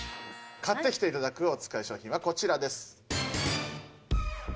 買ってきて頂くおつかい商品はこちらです。